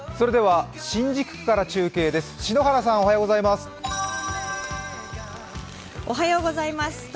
新宿区から中継です、篠原さん、おはようございます。